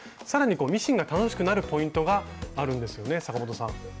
更にミシンが楽しくなるポイントがあるんですよね阪本さん。